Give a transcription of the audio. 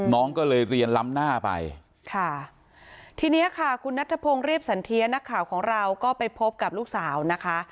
น้องก็เลยเรียนล้ำหน้าไปค่ะทีเนี้ยค่ะคุณนัทพงศ์เรียบสันเทียนักข่าวของเราก็ไปพบกับลูกสาวนะคะ